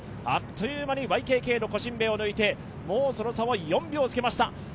あっという間にＹＫＫのコシンベイを抜いてもうその差は４秒つけました。